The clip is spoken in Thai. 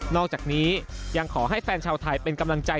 อกจากนี้ยังขอให้แฟนชาวไทยเป็นกำลังใจ